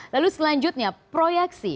lalu selanjutnya proyeksi